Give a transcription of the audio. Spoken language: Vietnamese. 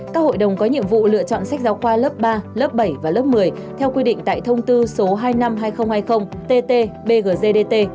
các hội đồng có nhiệm vụ lựa chọn sách giáo khoa lớp ba lớp bảy và lớp một mươi theo quy định tại thông tư số hai trăm năm mươi hai nghìn hai mươi tt bggdt